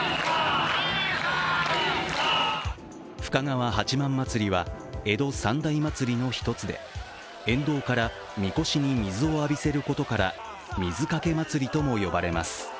深川八幡祭りは江戸三大祭りの一つで沿道からみこしに水を浴びせることから水かけ祭りとも呼ばれます。